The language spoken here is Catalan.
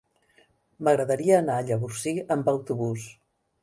M'agradaria anar a Llavorsí amb autobús.